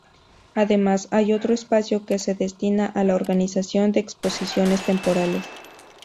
Además, hay otro espacio que se destina a la organización de exposiciones temporales.